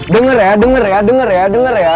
dengar ya denger ya denger ya denger ya